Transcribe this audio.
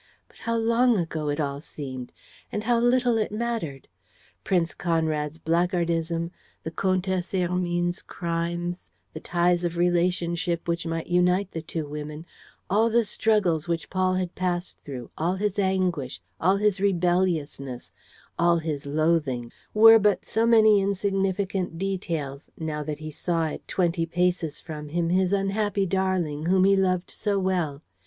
... But how long ago it all seemed! And how little it mattered! Prince Conrad's blackguardism, the Comtesse Hermine's crimes, the ties of relationship that might unite the two women, all the struggles which Paul had passed through, all his anguish, all his rebelliousness, all his loathing, were but so many insignificant details, now that he saw at twenty paces from him his unhappy darling whom he loved so well.